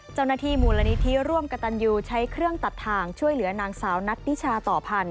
เจ้าหน้าที่มูลนิธิร่วมกระตันยูใช้เครื่องตัดทางช่วยเหลือนางสาวนัทนิชาต่อพันธ